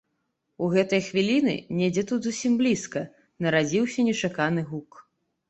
У гэтыя хвіліны, недзе тут зусім блізка, нарадзіўся нечаканы гук.